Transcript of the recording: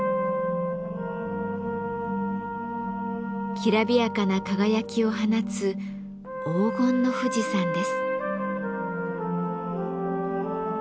きらびやかな輝きを放つ黄金の富士山です。